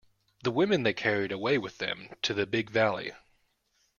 The women they carried away with them to the Big Valley.